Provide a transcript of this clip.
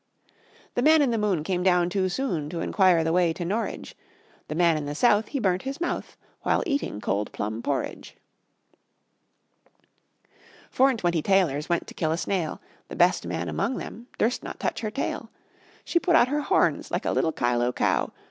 The man in the moon came down too soon To inquire the way to Norridge; The man in the south, he burnt his mouth With eating cold plum porridge. Four and twenty tailors Went to kill a snail; The best man among them Durst not touch her tail; She put out her horns Like a little Kyloe cow.